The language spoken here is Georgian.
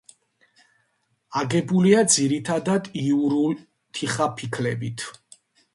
აგებულია ძირითადად იურული თიხაფიქლებით.